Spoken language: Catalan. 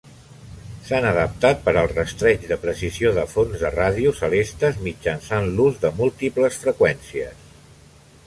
S'han adaptat per al rastreig de precisió de fonts de ràdio celestes mitjançant l'ús de múltiples freqüències.